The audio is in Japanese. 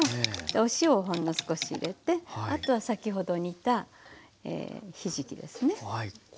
でお塩をほんの少し入れてあとは先ほど煮たひじきですね。